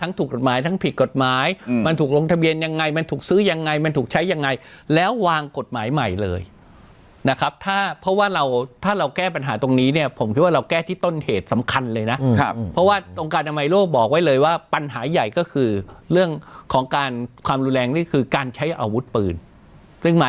ถูกกฎหมายทั้งผิดกฎหมายมันถูกลงทะเบียนยังไงมันถูกซื้อยังไงมันถูกใช้ยังไงแล้ววางกฎหมายใหม่เลยนะครับถ้าเพราะว่าเราถ้าเราแก้ปัญหาตรงนี้เนี่ยผมคิดว่าเราแก้ที่ต้นเหตุสำคัญเลยนะครับเพราะว่าองค์การอนามัยโลกบอกไว้เลยว่าปัญหาใหญ่ก็คือเรื่องของการความรุนแรงนี่คือการใช้อาวุธปืนซึ่งหมาย